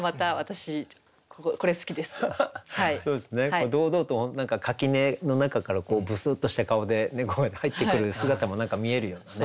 これ堂々と垣根の中からぶすっとした顔で猫が入ってくる姿も何か見えるようなね。